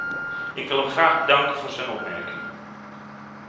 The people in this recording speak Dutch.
Ik wil hem graag bedanken voor zijn opmerkingen.